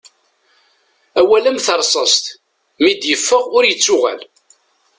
Awal am terṣast mi d-iffeɣ ur ittuɣal.